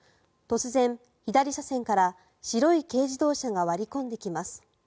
突然、左車線から白い軽自動車が割り込んできます。